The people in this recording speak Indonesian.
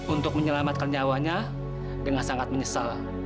untuk menyelamatkan nyawanya dengan sangat menyesal